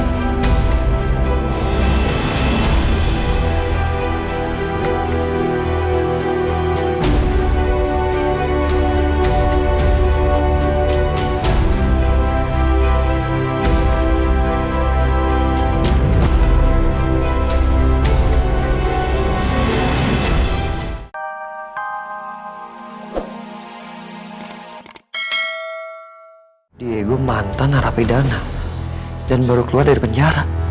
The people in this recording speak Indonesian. sampai jumpa di video selanjutnya